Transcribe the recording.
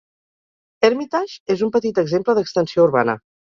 Hermitage és un petit exemple d'extensió urbana.